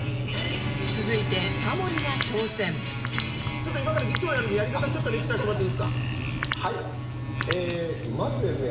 続いて今から議長がやるんでやり方ちょっとレクチャーしてもらっていいですか？